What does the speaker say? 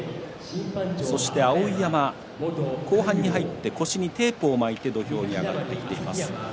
そして碧山、後半に入って腰にテープを巻いて土俵に上がっています。